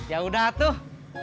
ya udah tuh